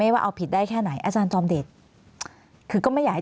ว่าเอาผิดได้แค่ไหนอาจารย์จอมเดชคือก็ไม่อยากให้